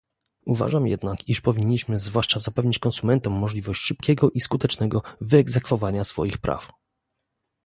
Uważam jednak, iż powinniśmy zwłaszcza zapewnić konsumentom możliwość szybkiego i skutecznego wyegzekwowania swoich praw